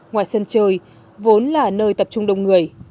ngoài sân chơi vốn là nơi tập trung đông người